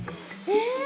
え！